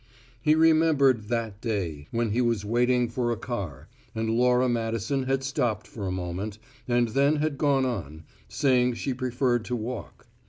He remembered "that day" when he was waiting for a car, and Laura Madison had stopped for a moment, and then had gone on, saying she preferred to walk.